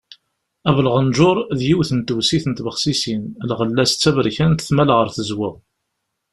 Abelɣenǧur d yiwet n tewsit n tbexsisin, lɣella-s d taberkant tmal ɣer tezweɣ.